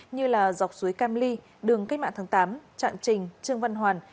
như dọc suối cam ly đường kết mạng tháng tám trạm trình trương văn hoàn